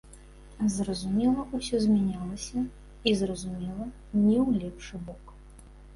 Зразумела, усё змянялася, і, зразумела, не ў лепшы бок.